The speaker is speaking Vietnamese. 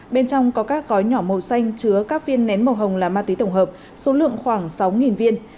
bên trong có các gói nhỏ màu xanh chứa các viên nén màu hồng là ma túy tổng hợp số lượng khoảng sáu viên